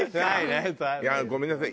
ごめんなさい。